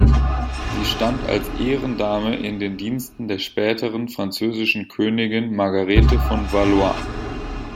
Sie stand als Ehrendame in den Diensten der späteren französischen Königin Margarete von Valois.